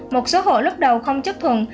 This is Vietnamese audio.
một số hộ lúc đầu không chấp thuận